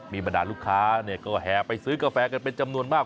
มีบรรดาลูกค้าก็แห่ไปซื้อกาแฟกันเป็นจำนวนมาก